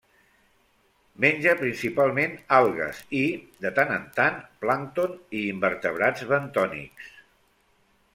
Menja principalment algues i, de tant en tant, plàncton i invertebrats bentònics.